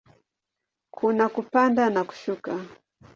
Kuna kupanda na kushuka.